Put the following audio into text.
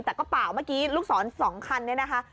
แต่ก็เปล่าเมื่อกี้ลูกศร๒คันเนี่ยนะคะ